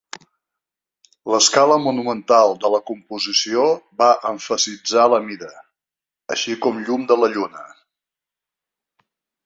L'escala monumental de la composició va emfasitzar la mida, així com llum de la lluna.